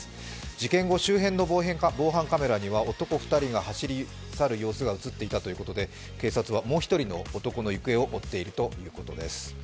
事件後、周辺の防犯カメラには男２人が走り去る様子が映っていたということで警察はもう一人の男の行方を追っているということです。